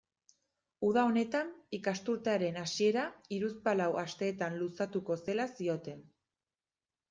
Uda honetan ikasturtearen hasiera hiruzpalau asteetan luzatuko zela zioten.